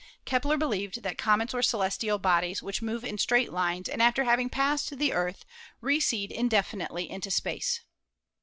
Kepler believed that comets were celestial bodies which move in straight lines and after having passed the Earth recede indefi nitely into space.